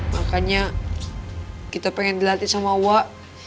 makanya kita pengen dilatih sama wak